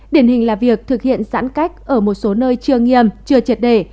điển hình là việc thực hiện giãn cách ở một số nơi chưa nghiêm chưa triệt đề